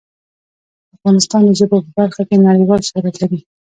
افغانستان د ژبو په برخه کې نړیوال شهرت لري.